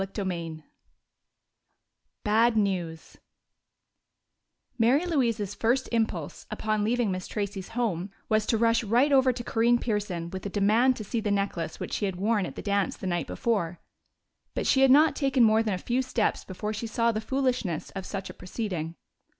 Chapter XIV Bad News Mary Louise's first impulse, upon leaving Miss Tracey's home, was to rush right over to Corinne Pearson with a demand to see the necklace which she had worn at the dance the night before. But she had not taken more than a few steps before she saw the foolishness of such a proceeding.